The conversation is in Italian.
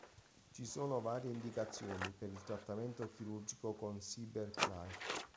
Ci sono varie indicazioni per il trattamento chirurgico con Cyber Knife.